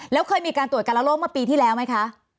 แล้วเคยมีการตรวจการละโลกเมื่อปีที่แล้วไหมคะ